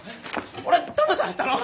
俺はだまされたの？